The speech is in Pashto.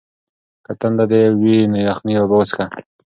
که تنده دې وي نو یخې اوبه وڅښه.